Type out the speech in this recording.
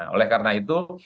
oleh karena itu